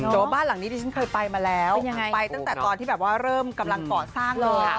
แต่ว่าบ้านหลังนี้ที่ฉันเคยไปมาแล้วไปตั้งแต่ตอนที่แบบว่าเริ่มกำลังก่อสร้างเลย